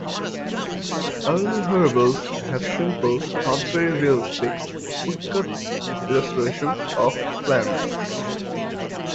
Early herbals had simple, not very realistic, woodcut illustrations of plants.